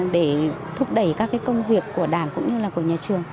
để thúc đẩy các công việc của đảng cũng như là của nhà trường